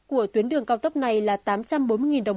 của tuyến đường cao tốc này là tám trăm bốn mươi đồng